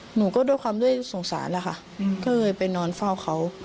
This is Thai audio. หนูก็ด้วยความสงสารแล้วค่ะก็เลยไปนอนเฝ้าเขา